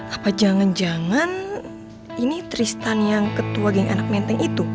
apa jangan jangan ini tristan yang ketua geng anak menteng itu